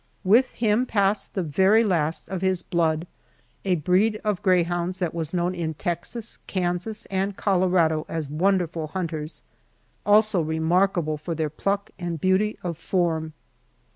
With him passed the very last of his blood, a breed of greyhounds that was known in Texas, Kansas, and Colorado as wonderful hunters, also remarkable for their pluck and beauty of form.